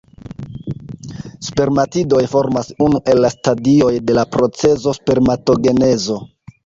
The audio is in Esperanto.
Spermatidoj formas unu el la stadioj de la procezo spermatogenezo.